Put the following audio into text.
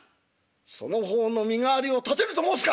その方の身代わりを立てると申すか！」。